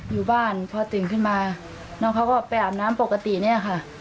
อยู่บ้านพอตื่นขึ้นมาน้องเขาก็ไปอาบน้ำปกติเนี่ยค่ะ